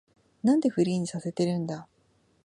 なんでフリーにさせてるんだ